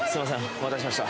お待たせしました